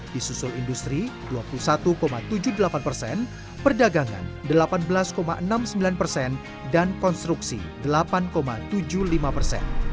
di susul industri dua puluh satu tujuh puluh delapan persen perdagangan delapan belas enam puluh sembilan persen dan konstruksi delapan tujuh puluh lima persen